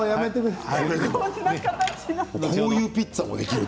こういうピッツァもできる。